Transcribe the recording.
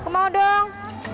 aku mau dong